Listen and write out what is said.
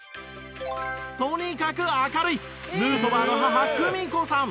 とにかく明るいヌートバーの母久美子さん。